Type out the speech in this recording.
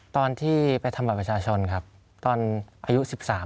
ตอนที่ไปทำบัตรประชาชนครับตอนอายุ๑๓